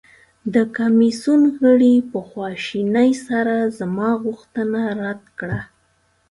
د کمیسیون غړي په خواشینۍ سره زما غوښتنه رد کړه.